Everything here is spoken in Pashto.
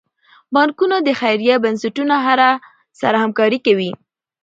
بانکونه د خیریه بنسټونو سره همکاري کوي.